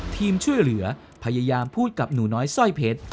ทีมช่วยเหลือพยายามพูดกับหนูน้อยสร้อยเพชร